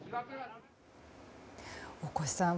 大越さん